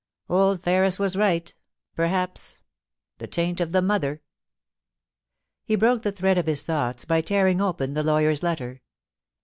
Old Ferris was right, perhaps ; the taint of the mother ' He broke the thread of his thoughts by tearing open the lawyer's letter.